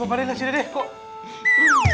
coba pak deh nasi dedek kok